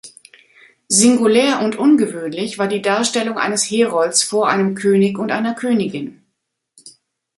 Singulär und ungewöhnlich war die Darstellung eines Herolds vor einem König und einer Königin.